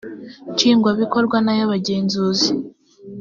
nshingwabikorwa n ay abagenzuzi